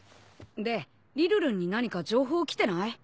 でりるるんに何か情報来てない？